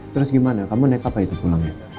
terus gimana kamu naik apa itu pulangnya